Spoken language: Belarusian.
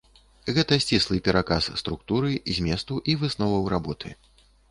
Гэта сціслы пераказ структуры, зместу і высноваў работы.